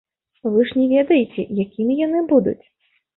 Вы ж не ведаеце, якімі яны будуць?